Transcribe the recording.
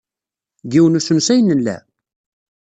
Deg yiwen n usensu ay nella?